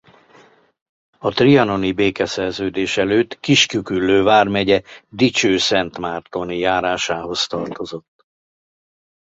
A trianoni békeszerződés előtt Kis-Küküllő vármegye Dicsőszentmártoni járásához tartozott.